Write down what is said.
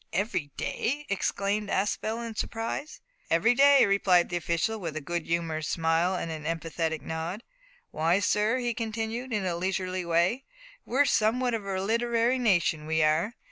every day?" exclaimed Aspel in surprise. "Every day," replied the official, with a good humoured smile and an emphatic nod. "Why, sir," he continued, in a leisurely way, "we're some what of a literary nation, we are.